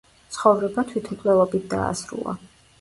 ცხოვრება თვითმკვლელობით დაასრულა.